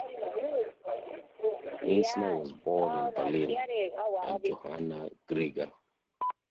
Meissner was born in Berlin to and Johanna Greger.